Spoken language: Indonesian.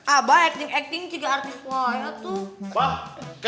abah acting acting juga artisnya